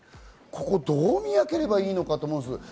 ここをどう見分ければいいのかと思います。